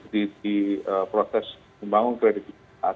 di proses pembangun kredibilitas